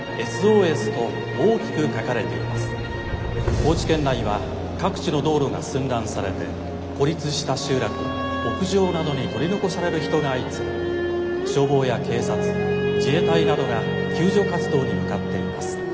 高知県内は各地の道路が寸断されて孤立した集落や屋上などに取り残される人が相次ぎ消防や警察自衛隊などが救助活動に向かっています。